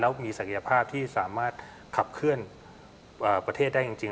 แล้วมีศักยภาพที่สามารถขับเคลื่อนประเทศได้จริง